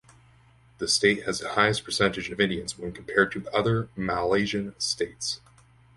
The state has the highest percentage of Indians when compared to other Malaysian states.